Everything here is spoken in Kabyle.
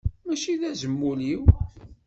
Mačči d azmul-iw.